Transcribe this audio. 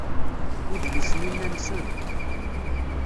Idlisen-inna nsen.